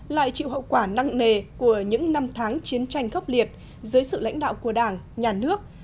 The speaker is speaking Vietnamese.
lại chịu hậu quả nặng nề của những năm tháng chiến tranh khốc liệt dưới sự lãnh đạo của đảng nhà nước